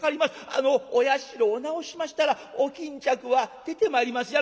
あのお社を直しましたらお巾着は出てまいりますやろか」。